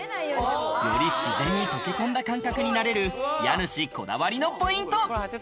より自然に溶け込んだ感覚になれる家主こだわりのポイント。